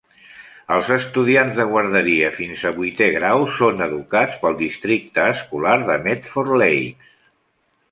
Els estudiants de guarderia fins a vuitè grau són educats pel Districte Escolar de Medford Lakes.